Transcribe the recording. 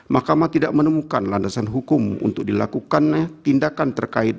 mahkamah tidak menemukan landasan hukum untuk dilakukan tindakan terkait